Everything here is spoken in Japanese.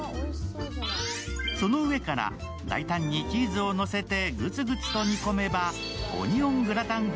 その上から大胆にチーズをのせてグツグツと煮込めばオニオングラタン風